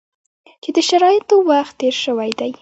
چې د شرایطو وخت تېر شوی دی.